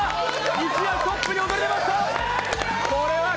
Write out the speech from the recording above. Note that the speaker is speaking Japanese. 一躍、トップに躍り出ました。